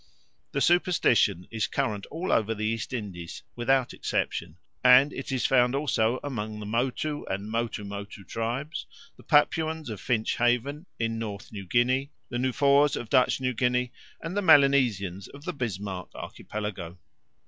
The superstition is current all over the East Indies without exception, and it is found also among the Motu and Motumotu tribes, the Papuans of Finsch Haven in North New Guinea, the Nufoors of Dutch New Guinea, and the Melanesians of the Bismarck Archipelago.